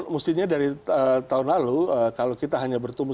mestinya dari tahun lalu kalau kita hanya bertumbuh